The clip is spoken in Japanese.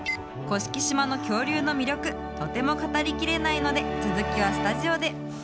甑島の恐竜の魅力、とても語りきれないので、続きはスタジオで。